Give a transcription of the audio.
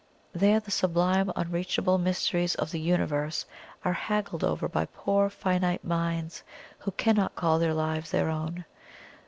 There, the sublime, unreachable mysteries of the Universe are haggled over by poor finite minds who cannot call their lives their own.